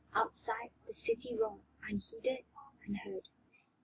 Outside the city roared unheeded, unheard.